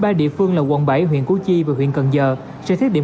ba địa phương là quận bảy huyện củ chi và huyện cần giờ sẽ thiết điểm